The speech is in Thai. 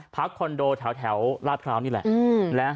คอนโดแถวลาดพร้าวนี่แหละ